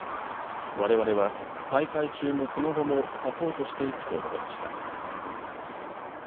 われわれは大会中もその後もサポートしていくと述べました。